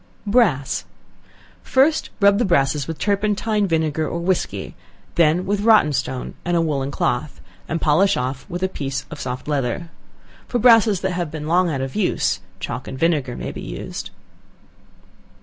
Brass. First rub the brasses with turpentine, vinegar or whiskey, then with rotten stone and a woollen cloth, and polish off with a piece of soft leather. For brasses that have been long out of use, chalk and vinegar may be used.